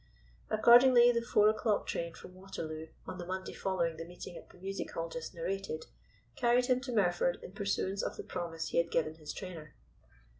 Accordingly the four o'clock train from Waterloo, on the Monday following the meeting at the Music Hall just narrated, carried him to Merford in pursuance of the promise he had given his trainer.